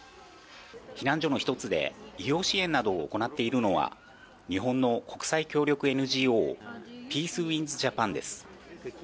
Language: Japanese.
避難所の一つで医療支援などを行っているのは、日本の国際協力ＮＧＯピースウィンズ・ジャパンです。